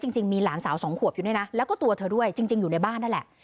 จริงมีหลานสาวสองขวบอยู่ด้วยนะแล้วก็ตัวเธอด้วยจริงอยู่ในบ้านนั่นแหละ